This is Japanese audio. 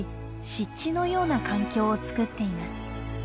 湿地のような環境をつくっています。